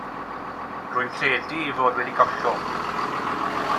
Rwy'n credu ei fod wedi gollwng.